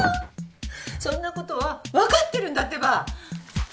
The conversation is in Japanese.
そんなことはわかってるんだってば。